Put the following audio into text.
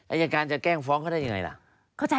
อัยการจะแกล้งฟ้องก็ได้อย่างไรล่ะ